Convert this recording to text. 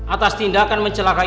atas tindakan mencelakai